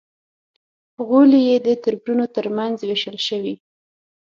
غولی یې د تربرونو تر منځ وېشل شوی.